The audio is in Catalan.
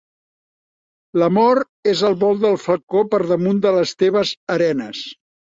L'amor és el vol del falcó per damunt de les teves arenes.